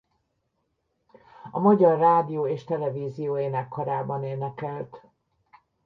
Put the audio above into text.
A Magyar Rádió és Televízió Énekkarában énekelt.